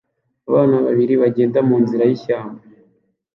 Abana babiri bagenda munzira yishyamba